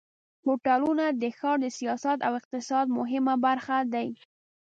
هوټلونه د ښار د سیاحت او اقتصاد مهمه برخه دي.